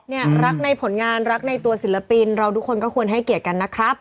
เนี่ยรักในผลงานรักในตัวศิลปินเราทุกคนก็ควรให้เกียรติกันนะครับ